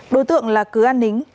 đối tượng là cứ an nính